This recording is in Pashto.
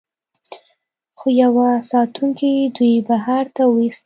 خو یوه ساتونکي دوی بهر ته وویستل